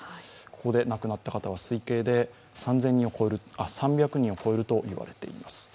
ここで亡くなった方は推計で３００人を超えると言われています。